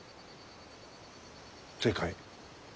正解。